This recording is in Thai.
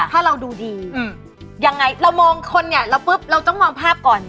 ถ้าเราดูดียังไงเรามองคนเนี่ยเราปุ๊บเราต้องมองภาพก่อน